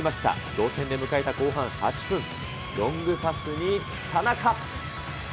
同点で迎えた後半８分、ロングパスに田中。